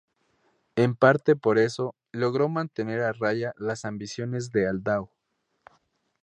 En parte por eso, logró mantener a raya las ambiciones de Aldao.